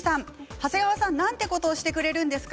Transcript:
長谷川さん、なんてことをしてくれるんですか。